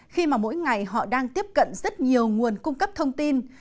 khi mà mỗi ngày họ đang tiếp cận rất nhiều nguồn cung cấp thông tin